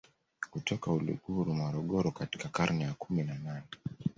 kutoka Uluguru Morogoro katika karne ya kumi na nane